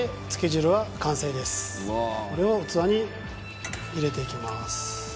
これを器に入れていきます